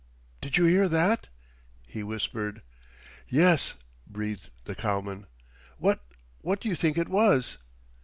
"Did you hear that?" he whispered. "Yes," breathed the cowman. "What what do you think it was?"